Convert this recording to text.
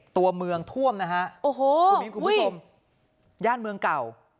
ตัวเมืองท่วมนะฮะโอ้โหคุณมิ้นคุณผู้ชมย่านเมืองเก่า